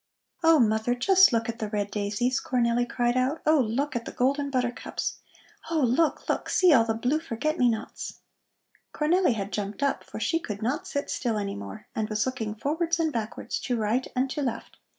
"Oh, mother, just look at the red daisies!" Cornelli cried out. "Oh, look at the golden buttercups! Oh, look, look; see all the blue forget me nots!" Cornelli had jumped up, for she could not sit still anymore, and was looking forwards and backwards, to right and to left.